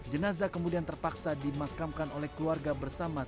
jenazah kemudian terpaksa dimakamkan oleh keluarga bersama